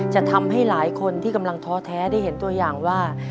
จะทำให้หลายคนที่กำลังท้อแท้ได้เห็นตัวอย่างว่า